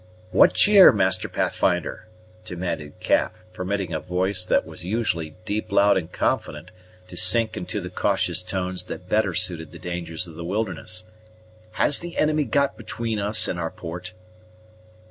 "What cheer, Master Pathfinder?" demanded Cap, permitting a voice that was usually deep, loud, and confident to sink into the cautious tones that better suited the dangers of the wilderness. "Has the enemy got between us and our port?"